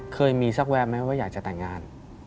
เคยมีสักแวมไหมว่าอยากจะแต่งงาน